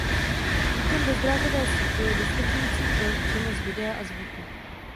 Výkon bezdrátové sítě je dostačující pro přenos videa a zvuku.